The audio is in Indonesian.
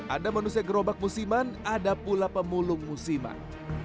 ada manusia gerobak musiman ada pula pemulung musiman